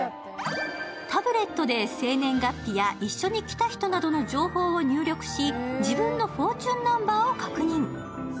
タブレットで生年月日や一緒に来た人の情報を入力し自分のフォーチュンナンバーを確認。